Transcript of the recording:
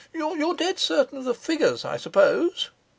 'You're dead certain of the figures, I suppose?